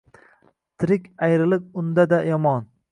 Tirik ayriliq undanda yomon